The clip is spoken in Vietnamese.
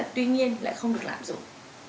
tuy nhiên lại không được lạm dụng